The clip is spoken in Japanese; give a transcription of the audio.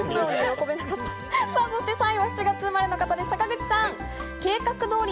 ３位は７月生まれの方です、坂口さん。